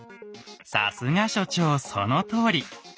さすが所長そのとおり！